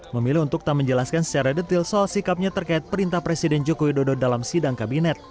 memilih untuk tak menjelaskan secara detail soal sikapnya terkait perintah presiden joko widodo dalam sidang kabinet